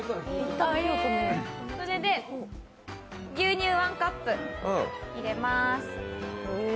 それで牛乳１カップ、入れます。